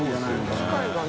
機械がね。